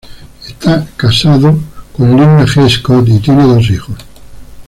Está casado con Linda G. Scott y tiene dos hijos.